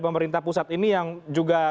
pemerintah pusat ini yang juga